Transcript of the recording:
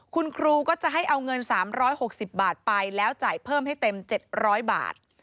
คุณครูก็จะให้เอาเงิน๓๖๐บาทไปแล้วจ่ายเพิ่มให้เต็ม๗๐๐บาท